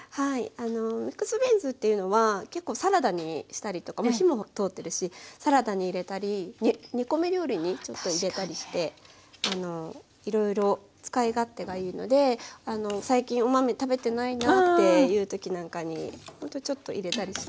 あのミックスビーンズっていうのは結構サラダにしたりとかもう火も通ってるしサラダに入れたり煮込み料理にちょっと入れたりしていろいろ使い勝手がいいので最近お豆食べてないなっていうときなんかにほんとちょっと入れたりして。